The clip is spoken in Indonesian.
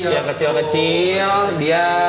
yang kecil kecil dia